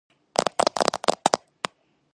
მღვდელს ხატები გამუდმებით იატაკზე დაყრილი ხვდებოდა.